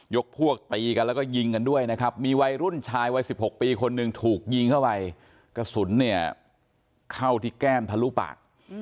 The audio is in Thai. พวกตีกันแล้วก็ยิงกันด้วยนะครับมีวัยรุ่นชายวัย๑๖ปีคนหนึ่งถูกยิงเข้าไปกระสุนเนี่ยเข้าที่แก้มทะลุปาก